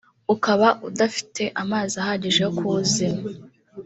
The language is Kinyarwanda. ukaba udafite amazi ahagije yo kuwuzimya